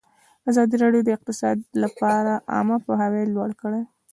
ازادي راډیو د اقتصاد لپاره عامه پوهاوي لوړ کړی.